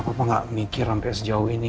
papa gak mikir sampai sejauh ini